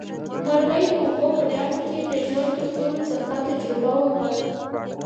مرغۍ د اوبو په ډنډ کې د ژوند تر ټولو تخه تجربه وکړه.